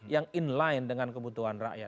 yang in line dengan kebutuhan rakyat